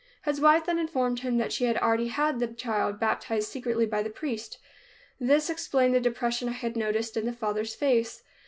His wife then informed him that she had already had the child baptized secretly by the priest. This explained the depression I had noticed in the father's face.